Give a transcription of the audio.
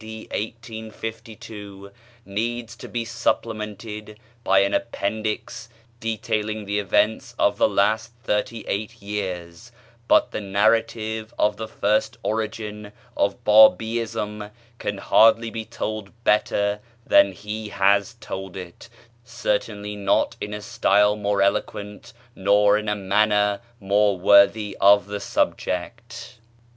D. 1852 needs to be [page xi] supplemented by an appendix detailing the events of the last thirty eight years, but the narrative of the first origin of Bábíism can hardly be told better than he has told it; certainly not in a style more eloquent nor in a manner more worthy of the subject.